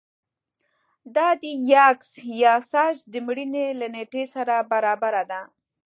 دا د یاکس یاساج د مړینې له نېټې سره برابره ده